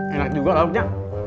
enak juga lauknya